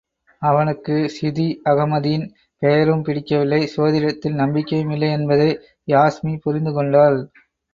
அவனுக்கு சிதி அகமதின் பெயரும் பிடிக்கவில்லை சோதிடத்தில் நம்பிக்கையும் இல்லை என்பதை யாஸ்மி புரிந்து கொண்டாள்.